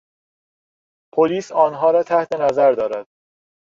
پلیس آنها را تحت نظر دارد.